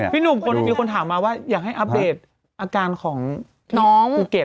พี่หนุ่มคนมีคนถามมาว่าอยากให้อัปเดตอาการของน้องภูเก็ต